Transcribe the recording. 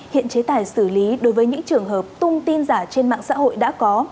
hiện chế tài xử lý đối với những trường hợp tung tin giả trên mạng xã hội đã có